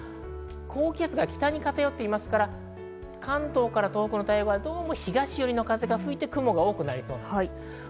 高気圧が北に偏っていますから関東から東北の太平洋側は東よりの風が吹いて雲が多くなりそうです。